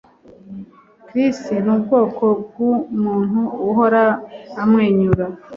Chris nubwoko bwumuntu uhora amwenyura